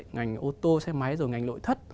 ngành ô tô xe máy rồi ngành lội thất